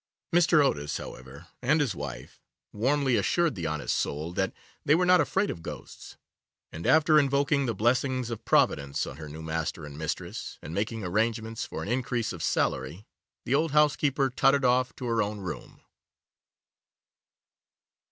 Mr. Otis, however, and his wife warmly assured the honest soul that they were not afraid of ghosts, and, after invoking the blessings of Providence on her new master and mistress, and making arrangements for an increase of salary, the old housekeeper tottered off to her own room.